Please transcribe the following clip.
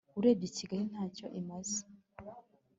urebye kigali ntacyo imaze